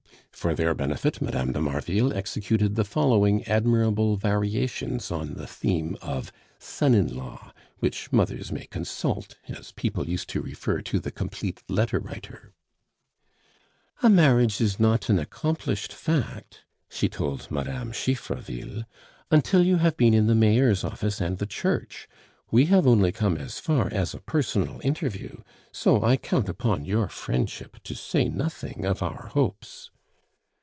For their benefit Mme. de Marville executed the following admirable variations on the theme of son in law which mothers may consult, as people used to refer to the Complete Letter Writer. "A marriage is not an accomplished fact," she told Mme. Chiffreville, "until you have been in the mayor's office and the church. We have only come as far as a personal interview; so I count upon your friendship to say nothing of our hopes."